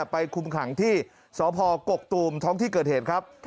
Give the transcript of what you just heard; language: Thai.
คุมขังที่สพกกตูมท้องที่เกิดเหตุครับ